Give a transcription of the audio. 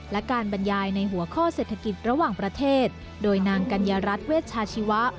และการบรรยายในหัวข้อเศรษฐกิจระหว่างประเทศโดยนางกัญญารัฐเวชชาชีวะ